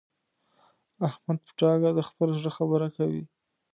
احمد په ډاګه د خپل زړه خبره کوي.